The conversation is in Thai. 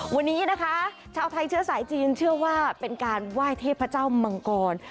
วันนี้นะคะชาวไทยเชื้อสายจีนเชื่อว่าเป็นการไหว้เทพเจ้ามังกร